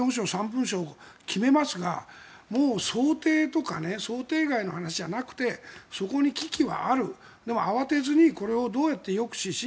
３文書を決めますがもう想定とか想定外の話じゃなくてそこに危機はあるでも慌てずにこれをどうやって抑止し